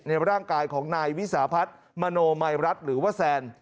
ในร่างกายของนายวิสาพัฒน์มโนมัยรัฐหรือว่าแซน